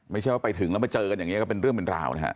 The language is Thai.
ไม่ใช่ว่าไปถึงแล้วมาเจอกันอย่างนี้ก็เป็นเรื่องเป็นราวนะฮะ